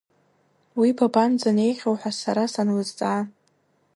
Уи, бабанӡанеихьоу ҳәа сара санлызҵаа…